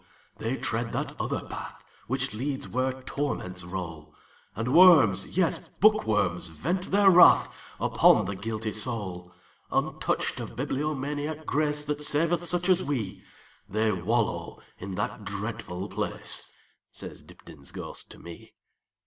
they tread that other path, Which leads where torments roll, And worms, yes, bookworms, vent their wrathUpon the guilty soul. Untouched of bibliomaniac grace, That saveth such as we, They wallow in that dreadful place,"Says Dibdin's ghost to me.